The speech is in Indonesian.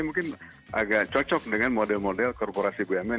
mungkin agak cocok dengan model model korporasi bumn